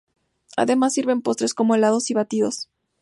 Además sirven postres como helados y batidos.